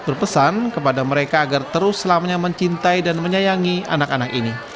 berpesan kepada mereka agar terus selamanya mencintai dan menyayangi anak anak ini